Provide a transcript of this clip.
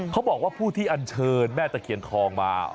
เขาบอกว่าผู้ที่อันเชิญแม่ตะเคียนทองมา